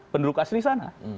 penduduk asli di sana